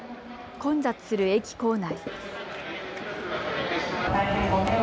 混雑する駅構内。